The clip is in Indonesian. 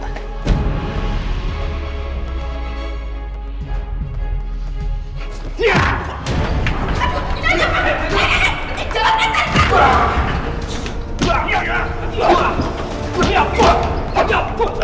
aduh gila ya pak